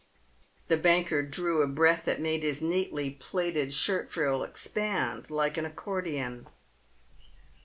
The banker drew a breath that made his neatly plaited shirt frill expand like an accordion.